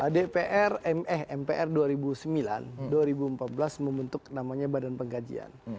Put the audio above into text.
dpr mpr dua ribu sembilan dua ribu empat belas membentuk namanya badan pengkajian